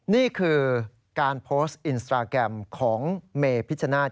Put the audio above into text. นี่คือการโพสต์อินสตราแกรมของเมพิชชนาธิ